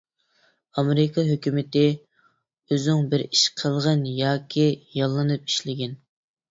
ئامېرىكا ھۆكۈمىتى: ئۆزۈڭ بىر ئىش قىلغىن ياكى ياللىنىپ ئىشلىگىن.